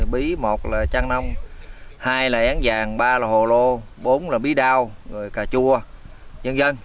bí một là trăn nông hai là yán vàng ba là hồ lô bốn là bí đao rồi cà chua dân dân